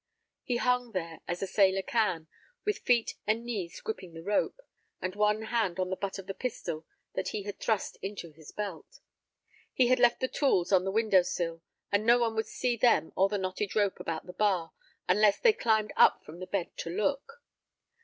He hung there as a sailor can, with feet and knees gripping the rope, and one hand on the butt of the pistol that he had thrust into his belt. He had left the tools on the window sill, and no one would see them or the knotted rope about the bar, unless they climbed up from the bed to look.